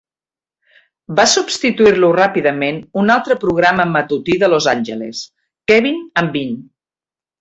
Va substituir-lo ràpidament un altre programa matutí de Los Angeles, 'Kevin and Bean'.